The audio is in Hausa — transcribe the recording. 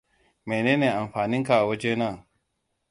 Mene ne amfaninka a waje na?